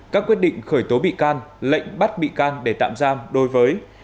các quyết định khởi tố bị can lệnh bắt bị can để tạm giam đối với